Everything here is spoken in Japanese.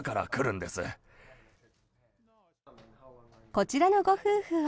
こちらのご夫婦は。